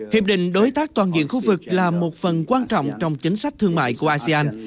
hiệp định đối tác toàn diện khu vực là một phần quan trọng trong chính sách thương mại của asean